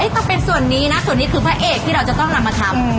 ต้องเป็นส่วนนี้นะส่วนนี้คือพระเอกที่เราจะต้องนำมาทำ